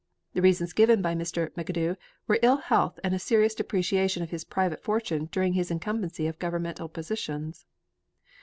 The reasons given by Mr. McAdoo were ill health and a serious depreciation of his private fortune during his incumbency of governmental positions.